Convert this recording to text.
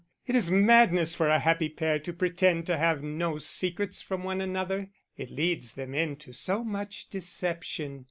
It is madness for a happy pair to pretend to have no secrets from one another: it leads them into so much deception.